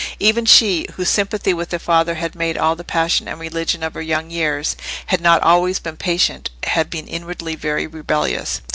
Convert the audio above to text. Even she, whose sympathy with her father had made all the passion and religion of her young years, had not always been patient, had been inwardly very rebellious.